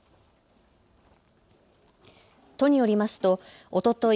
都によりますとおととい